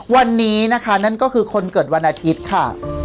วันนี้นะคะนั่นก็คือคนเกิดวันอาทิตย์ค่ะ